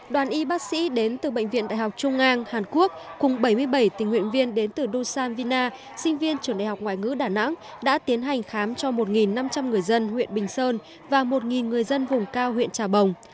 đoàn y bác sĩ đến từ bệnh viện đại học trung ngang hàn quốc cùng bảy mươi bảy tình nguyện viên đến từ dusan vina sinh viên trường đại học ngoại ngữ đà nẵng đã tiến hành khám cho một năm trăm linh người dân huyện bình sơn và một người dân vùng cao huyện trà bồng